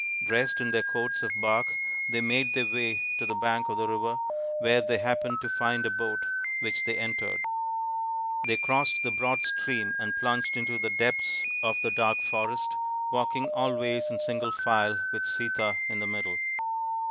Dressed in their coats of bark, they made their way to the bank of the river, where they happened to find a boat, which they entered. They crossed the broad stream and plunged into the depths of the dark forest, walking always in single file with Sita in the middle.